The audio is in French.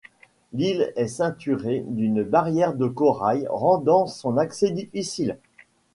L'île est ceinturée d'une barrière de corail rendant son accès difficile.